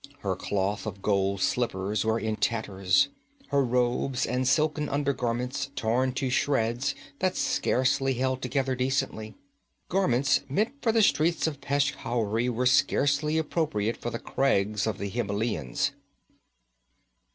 Her cloth of gold slippers were in tatters, her robes and silken under garments torn to shreds that scarcely held together decently. Garments meant for the streets of Peshkhauri were scarcely appropriate for the crags of the Himelians.